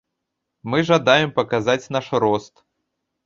Мы жадаем паказаць наш рост.